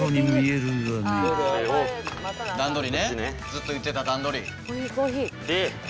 段取りねずっと言ってた段取り。